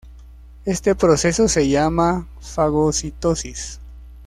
Este proceso se llama fagocitosis.